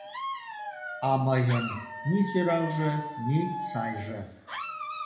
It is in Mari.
А мыйын ни сӧралже, ни сайже...